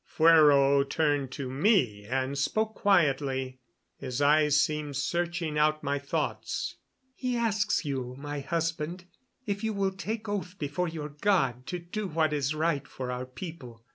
Fuero turned to me and spoke quietly; his eyes seemed searching out my thoughts. "He asks you, my husband, if you will take oath before your God to do what is right for our people.